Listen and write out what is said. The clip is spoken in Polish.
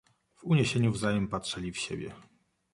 "W uniesieniu wzajem patrzeli w siebie."